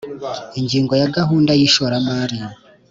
Ingingo ya gahunda y ishoramari